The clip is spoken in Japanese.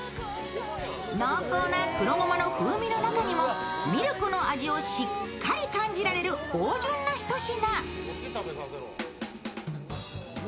濃厚な黒ごまの風味の中にも、ミルクの味をしっかり感じられる芳じゅんな一品。